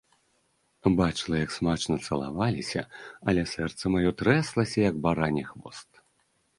Бачыла, як смачна цалаваліся, але сэрца маё трэслася, як барані хвост.